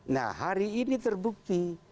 nah hari ini terbukti